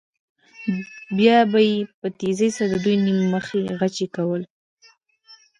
بیا به یې په تېزۍ سره د دوی نیم مخي غچي کول.